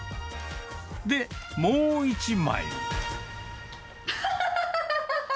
で、もう１枚。